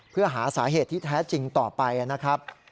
เพื่อหาสาเหตุที่แท้จริงต่อไปนะครับ